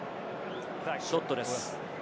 ショットです。